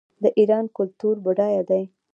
د ایران کلتور بډایه دی.